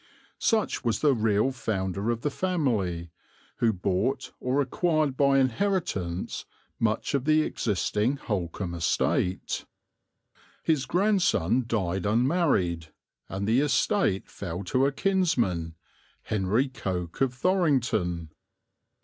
Such was the real founder of the family, who bought, or acquired by inheritance, much of the existing Holkham estate. His grandson died unmarried, and the estate fell to a kinsman, Henry Coke, of Thorington.